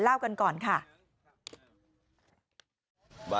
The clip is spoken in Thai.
เล่ากันก่อนค่ะ